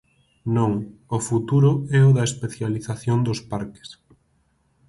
Non, o futuro é o da especialización dos parques.